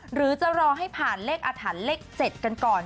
หรือจะรอให้ผ่านเลขอาถรรพ์เลข๗กันก่อน